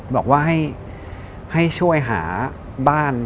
บอกว่าให้ช่วยหาบ้าน